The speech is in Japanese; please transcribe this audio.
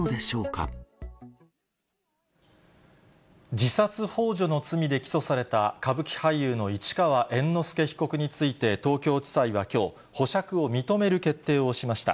自殺ほう助の罪で起訴された、歌舞伎俳優の市川猿之助被告について東京地裁はきょう、保釈を認める決定をしました。